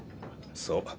そう。